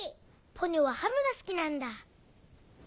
ポニョはハムが好きなんだ。